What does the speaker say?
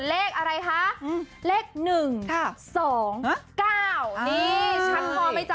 เลขอะไรคะเลขหนึ่งค่ะสองเก้านี่ฉันพอไหมจ๊ะ